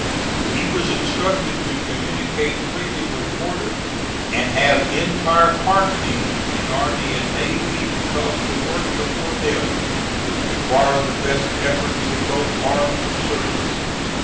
He was instructed to communicate freely with Porter and have entire harmony between army and navy, because the work before them would require the best efforts of both arms of service.